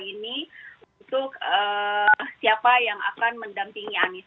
jadi untuk siapa yang akan mendampingi anies